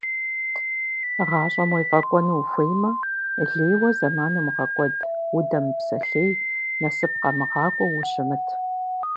Гъащӏэм уефӏэкӏуэну ухуеймэ, лейуэ зэман умыгъэкӏуэд, удэмыпсэлъей, насып къэмыгъакӏуэу ущымыт.